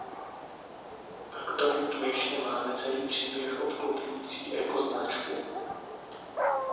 A k tomu tu ještě máme celý příběh obklopující ekoznačku.